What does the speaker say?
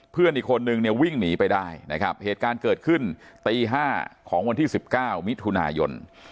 เพื่อนอีกคนนึงเนี่ยวิ่งหนีไปได้นะครับเหตุการณ์เกิดขึ้นตี๕ของวันที่๑๙มิถุนายน